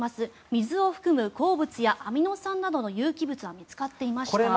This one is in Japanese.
水を含む鉱物やアミノ酸などの有機物は見つかっていましたが。